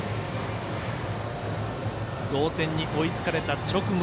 同点に追いつかれた直後